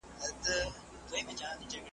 هم تر وروڼو هم خپلوانو سره ګران وه ,